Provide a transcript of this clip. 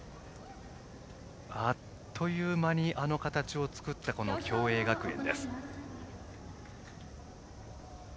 あっという間にあの形を作った共栄学園です。